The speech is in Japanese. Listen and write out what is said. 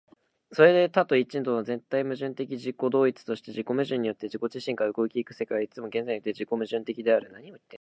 それで多と一との絶対矛盾的自己同一として、自己矛盾によって自己自身から動き行く世界は、いつも現在において自己矛盾的である。